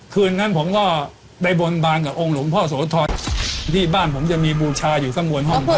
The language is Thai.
คืนนั้นผมก็ไปบรรบาลกับองค์หลวงพ่อโสธรที่บ้านผมจะมีบูชาอยู่ข้างบนห้องด้าน